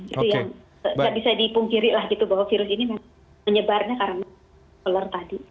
itu yang nggak bisa dipungkiri lah gitu bahwa virus ini menyebarnya karena telur tadi